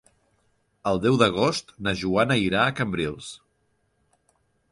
El deu d'agost na Joana irà a Cambrils.